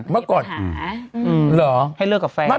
เมื่อก่อนเหรอให้เลิกกับแฟน